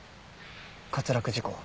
滑落事故。